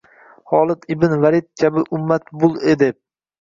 Holid ibn Valid kabi ummat bul deb